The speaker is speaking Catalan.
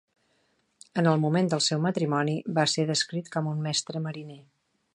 En el moment del seu matrimoni va ser descrit com un mestre mariner.